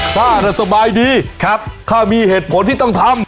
ป้าน่ะสบายดีครับถ้ามีเหตุผลที่ต้องทำ